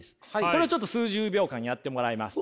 これをちょっと数十秒間やってもらいます。